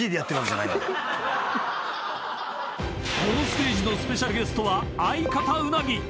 ［このステージのスペシャルゲストは相方鰻］